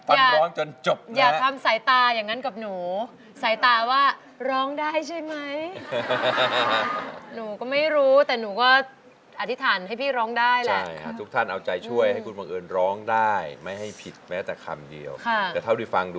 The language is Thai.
ขอบ้างแต่ด้วยใจจริงขอฉันสักทีก็ล้าง